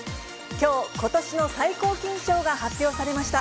きょう、ことしの最高金賞が発表されました。